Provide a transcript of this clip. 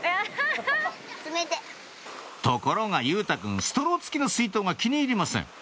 ところが佑太くんストロー付きの水筒が気に入りません